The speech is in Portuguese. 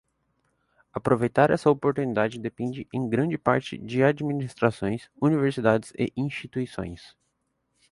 Aproveitar essa oportunidade depende em grande parte de administrações, universidades e instituições.